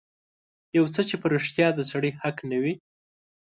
يو څه چې په رښتيا د سړي حق نه وي.